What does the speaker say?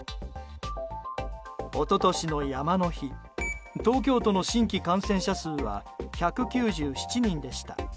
一昨年の山の日東京都の新規感染者数は１９７人でした。